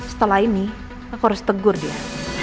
setelah ini aku harus tegur dia